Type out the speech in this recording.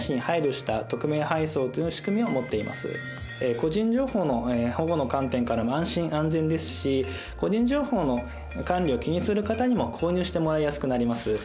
個人情報の保護の観点からも安心安全ですし個人情報の管理を気にする方にも購入してもらいやすくなります。